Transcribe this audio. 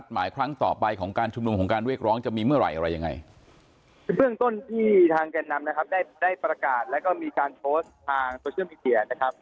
วิทยานำนะครับได้ประกาศแล้วก็มีการโพสท์ทางโซเชียลมีเดียนะครับ